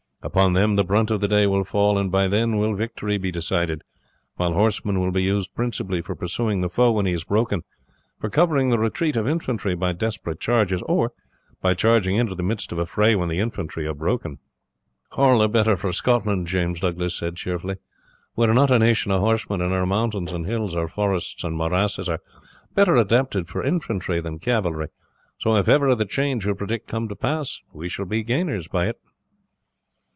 Upon them the brunt of the day will fall, and by them will victory be decided, while horsemen will be used principally for pursuing the foe when he is broken, for covering the retreat of infantry by desperate charges, or by charging into the midst of a fray when the infantry are broken." "All the better for Scotland," James Douglas said, cheerfully. "We are not a nation of horsemen, and our mountains and hills, our forests and morasses, are better adapted for infantry than cavalry; so if ever the change you predict come to pass we shall be gainers by it."